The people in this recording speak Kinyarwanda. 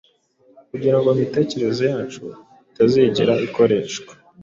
kugira ngo imitekerereze yacu itazigera ikoreshwa